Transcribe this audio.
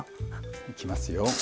いきますよ。